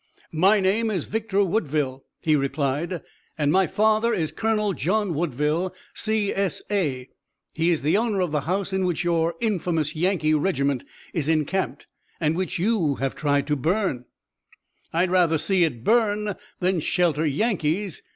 "My name is Victor Woodville," he replied, "and my father is Colonel John Woodville, C.S.A. He is the owner of the house in which your infamous Yankee regiment is encamped." "And which you have tried to burn?" "I'd rather see it burn than shelter Yankees.